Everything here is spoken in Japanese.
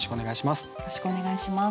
よろしくお願いします。